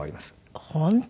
あっ本当。